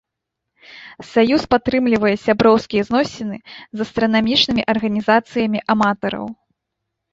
Саюз падтрымлівае сяброўскія зносіны з астранамічнымі арганізацыямі аматараў.